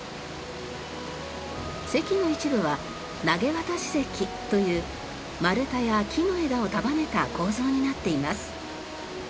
堰の一部は投渡堰という丸太や木の枝を束ねた構造になっています。